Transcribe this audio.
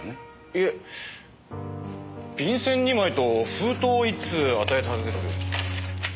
いえ便箋２枚と封筒を１通与えたはずです。